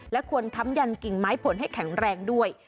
และควรค้ำยันกิ่งไม้ผลให้แข็งแรงด้วย